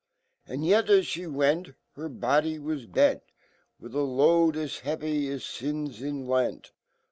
And yot, as fhe went , Her body was bent,. With a load as heavy as fins in lent.